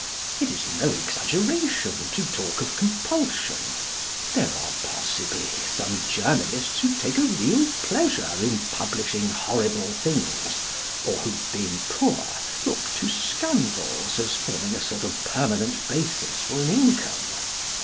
It is no exaggeration to talk of compulsion. There are possibly some journalists who take a real pleasure in publishing horrible things, or who, being poor, look to scandals as forming a sort of permanent basis for an income.